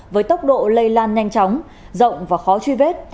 với tốc độ lây lan nhanh chóng rộng và khó truy vết